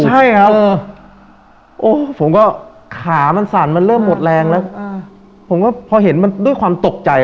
ใช่ครับโอ้ผมก็ขามันสั่นมันเริ่มหมดแรงแล้วผมก็พอเห็นมันด้วยความตกใจ